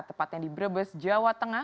tepatnya di brebes jawa tengah